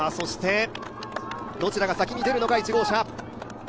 どちらが先に出るのか、１号車。